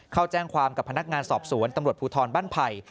เข้าแจ้งความกับพนักงานสอบสวนตำรวจภูทรบ้านไผ่